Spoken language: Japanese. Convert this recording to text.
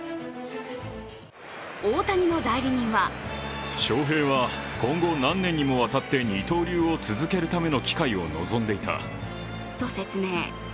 大谷の代理人はと説明。